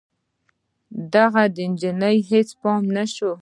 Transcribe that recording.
د هغه نجلۍ ته هېڅ پام نه شو.